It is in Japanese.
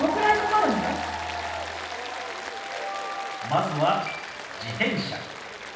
まずは「自転車」。